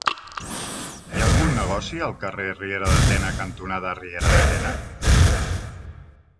Hi ha algun negoci al carrer Riera de Tena cantonada Riera de Tena?